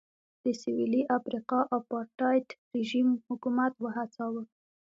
د سوېلي افریقا اپارټایډ رژیم حکومت وهڅاوه.